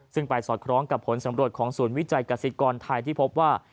ซึ่งไปสอดคล้องกับผลสำรวจของศูนย์วิจัยกษิกรไทยที่พบว่า